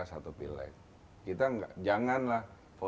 liga dua ini kan hal yang orang lain sih